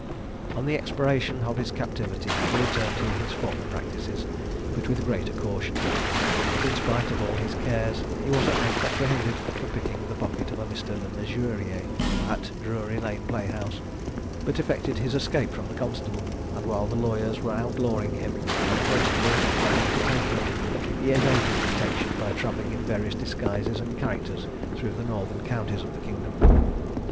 On the expiration of his captivity he returned to his former practices, but with greater caution: but in spite of all his cares, he was at length apprehended for picking the pocket of Mr. Le Mesurier, at Drury lane playhouse, but effected his escape from the constable; and while the lawyers were outlawing him, and the constables endeavouring to take him, he evaded detection by travelling in various disguises and characters through the northern counties of the kingdom.